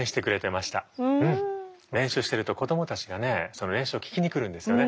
練習してると子どもたちがねその練習を聴きに来るんですよね。